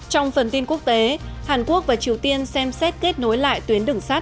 trong phần tin quốc tế hàn quốc và triều tiên xem xét kết nối lại tuyến đường sắt